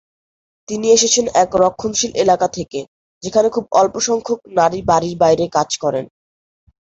তিনি এসেছেন এক রক্ষণশীল এলাকা থেকে, যেখানে খুব অল্পসংখ্যক নারী বাড়ির বাইরে কাজ করেন।